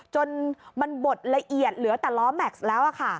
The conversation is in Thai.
จนมันบดละเอียดเหลือแต่ล้อแม็กซ์แล้ว